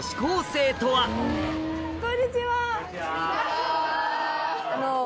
こんにちは。